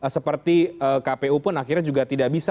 seperti kpu pun akhirnya juga tidak bisa